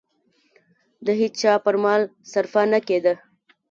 د هېچا پر مال صرفه نه کېده.